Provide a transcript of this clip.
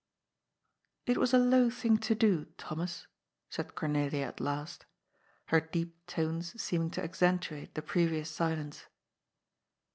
" It was a low thing to do, Thomas," said Cornelia at last, her deep tones seeming to accentuate the previous silence.